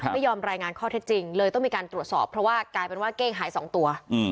ไม่ยอมรายงานข้อเท็จจริงเลยต้องมีการตรวจสอบเพราะว่ากลายเป็นว่าเก้งหาย๒ตัว